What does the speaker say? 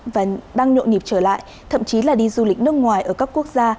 và đang nhộn nhịp trở lại thậm chí là đi du lịch nước ngoài ở các quốc gia